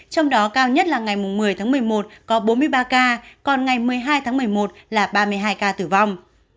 trong đó cao nhất là ngày một mươi tháng một mươi một có bốn mươi ba ca còn ngày một mươi hai tháng một mươi một là ba mươi hai ca tử vong